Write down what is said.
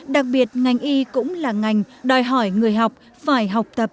đặc biệt ngành y cũng là ngành đòi hỏi người học phải học tập